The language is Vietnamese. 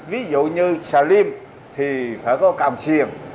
ví dụ như xà linh thì phải có càm xiềng